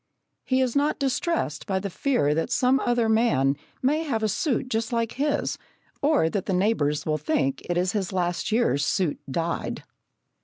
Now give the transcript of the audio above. He is not distressed by the fear that some other man may have a suit just like his, or that the neighbours will think it is his last year's suit dyed.